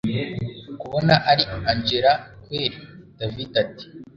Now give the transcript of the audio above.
kubona ari angella kweli david ati